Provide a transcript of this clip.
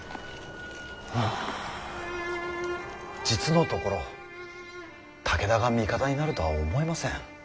実のところ武田が味方になるとは思えません。